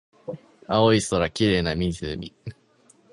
青い空、綺麗な湖